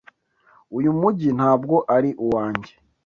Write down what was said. Uyu mujyi ntabwo ari uwanjye.